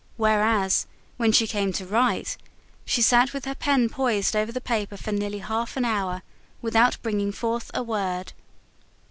Whereas, when she came to write, she sat with her pen poised over the paper for nearly half an hour, without bringing forth a word.